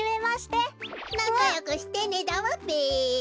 なかよくしてねだわべ。